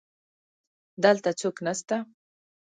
دلته څوک نسته